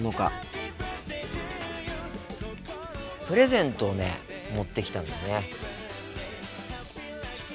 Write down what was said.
プレゼントをね持ってきたんだよね。